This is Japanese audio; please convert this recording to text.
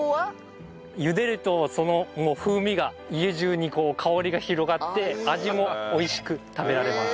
茹でるとその風味が家中にこう香りが広がって味も美味しく食べられます。